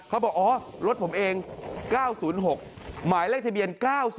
บอกอ๋อรถผมเอง๙๐๖หมายเลขทะเบียน๙๐